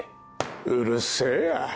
うるせえや。